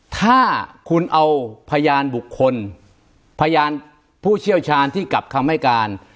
ถ้าคุณเอาพยานบุคคลพยานผู้เชี่ยวชาญที่กลับคำให้การ